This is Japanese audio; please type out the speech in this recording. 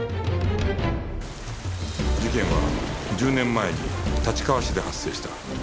事件は１０年前に立川市で発生した